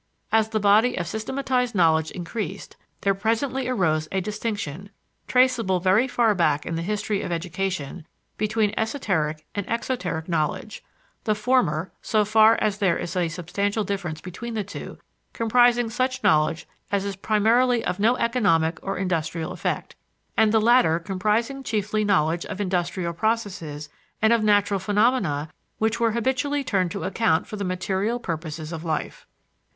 As the body of systematized knowledge increased, there presently arose a distinction, traceable very far back in the history of education, between esoteric and exoteric knowledge, the former so far as there is a substantial difference between the two comprising such knowledge as is primarily of no economic or industrial effect, and the latter comprising chiefly knowledge of industrial processes and of natural phenomena which were habitually turned to account for the material purposes of life.